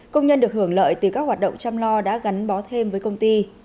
công nhân được hưởng lợi từ các hoạt động chăm lo đã gắn bó thêm với công ty